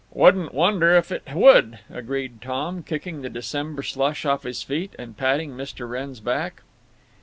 "Wouldn't wonder if it would," agreed Tom, kicking the December slush off his feet and patting Mr. Wrenn's back.